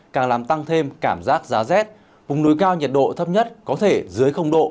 càng làm tăng thêm cảm giác giá rét vùng núi cao nhiệt độ thấp nhất có thể dưới độ